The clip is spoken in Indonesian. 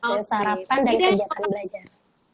dari sarapan dan kejahatan belajar